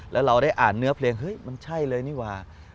แล้วเราได้อ่านเนื้อเพลงเฮ้ยมันใช่เลยนี่ว่า